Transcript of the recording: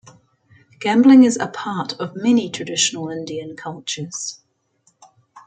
Gambling is a part of many traditional Indian cultures.